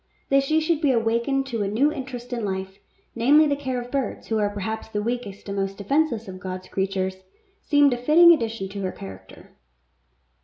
That she should be awakened to a new interest in life, namely the care of birds who are perhaps the weakest and most defenceless of God's creatures, seemed a fitting addition to her character.